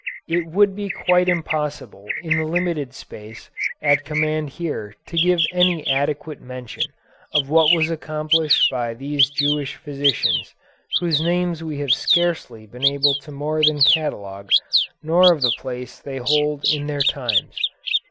It would be quite impossible in the limited space at command here to give any adequate mention of what was accomplished by these Jewish physicians, whose names we have scarcely been able to more than catalogue, nor of the place they hold in their times.